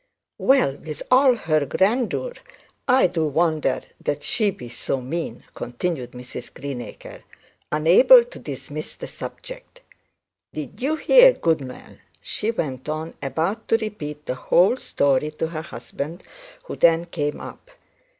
'Well, with all her grandeur, I do wonder that she be so mean, continued Mrs Greenacre, unable to dismiss the subject. 'Did you hear, goodman?' she went on, about to repeat the whole story to her husband who then came up.